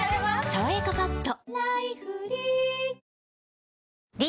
「さわやかパッド」